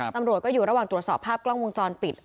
ตำรวจก็อยู่ระหว่างตรวจสอบภาพกล้องวงจรปิด